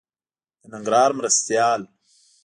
د ننګرهار مرستيال